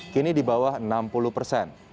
kini di bawah enam puluh persen